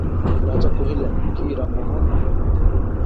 রাজা কহিলেন, কী রামমোহন।